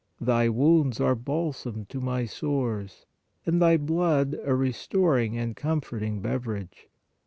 Thy wounds are balsam to my sores, and Thy blood, JESUS SUFFERING 179 a restoring and comforting beverage.